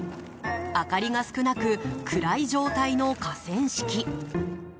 明かりが少なく暗い状態の河川敷。